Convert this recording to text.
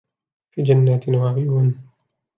في جنات وعيون